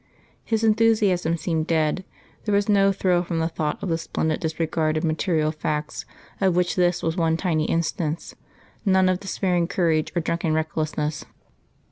His enthusiasm seemed dead. There was no thrill from the thought of the splendid disregard of material facts of which this was one tiny instance, none of despairing courage or drunken recklessness.